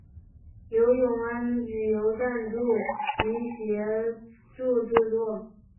由永安旅游赞助及协助制作。